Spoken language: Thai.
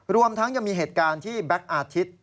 รวมทั้งยังมีเหตุการณ์ที่แบ็คอาทิตย์